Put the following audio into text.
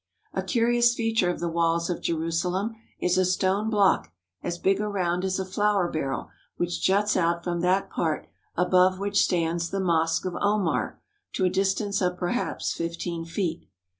A curious feature of the walls of Jerusalem is a stone block as big around as a flour barrel which juts out from that part above which stands the Mosque of Omar to a distance of perhaps fifteen feet.